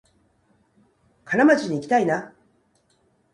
金町にいきたいな